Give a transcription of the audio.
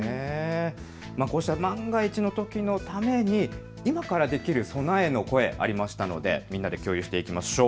こうした万が一のときのために今からできる備えの声、ありましたのでみんなで共有していきましょう。